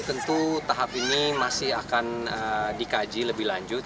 tentu tahap ini masih akan dikaji lebih lanjut